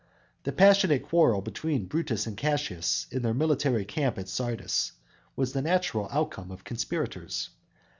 The passionate quarrel between Brutus and Cassius in their military camp at Sardis was a natural outcome of conspirators.